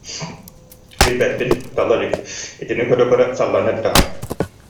Билбэппин, тала илик, итини көрө-көрө саллан да эрдэҕэ